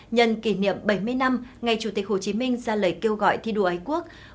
nhân kỷ niệm bảy mươi năm ngày chủ tịch hồ chí minh ra lời kêu gọi thi đua ái quốc